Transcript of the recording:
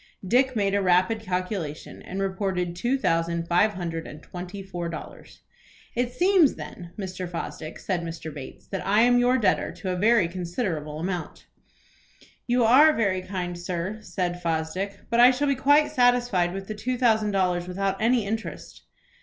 Dick made a rapid calculation, and reported two thousand five hundred and twenty four dollars. "It seems, then, Mr. Fosdick," said Mr. Bates, "that I am your debtor to a very considerable amount." "You are very kind, sir," said Fosdick; "but I shall be quite satisfied with the two thousand dollars without any interest."